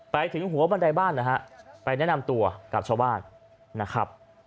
ไปถึงหัวบันไดบ้านนะฮะไปแนะนำตัวกับชาวบ้านนะครับ